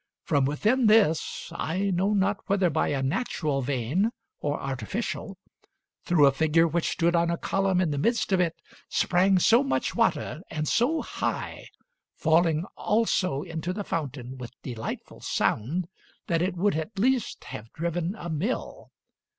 From within this, I know not whether by a natural vein or artificial, through a figure which stood on a column in the midst of it, sprang so much water, and so high, falling also into the fountain with delightful sound, that it would at least have driven a mill.